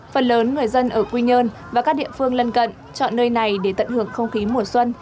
phần lớn người dân ở quy nhơn và các địa phương lân cận chọn nơi này để tận hưởng không khí mùa xuân